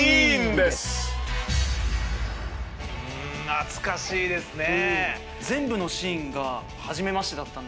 懐かしいですね。